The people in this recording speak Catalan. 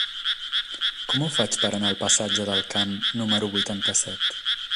Com ho faig per anar al passatge del Camp número vuitanta-set?